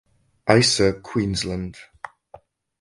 Isa Qld.